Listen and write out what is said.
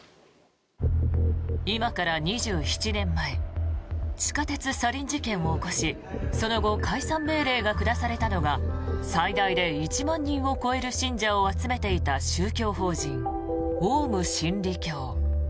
今から２７年前地下鉄サリン事件を起こしその後、解散命令が下されたのが最大で１万人を超える信者を集めていた宗教法人オウム真理教。